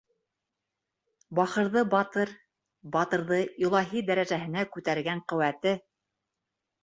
Бахырҙы батыр, батырҙы Илаһи дәрәжәһенә күтәргән ҡеүәте!